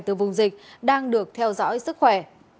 từ vùng dịch đang được theo dõi sức khỏe